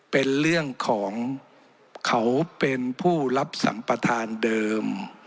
เป็นเรื่องของเขาเป็นผู้รับสัมประธานเดิม